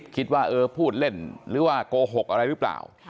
คิดว่าเออพูดเล่นหรือว่าโกหกอะไรหรือเปล่า